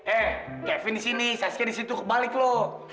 eh kevin disini saskia disitu kebalik lo